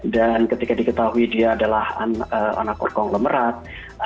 dan ketika diketahui dia adalah anak orkong lemerat